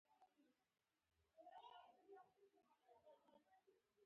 نوې مفکوره نوي فرصتونه راوړي